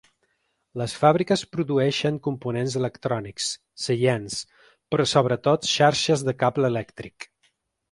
Les fàbriques produeixen components electrònics, seients, però sobretot xarxes de cable elèctric.